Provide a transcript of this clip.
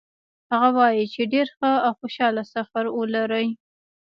هغه وایي چې ډېر ښه او خوشحاله سفر ولرئ.